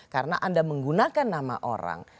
karena anda menggunakan nama orang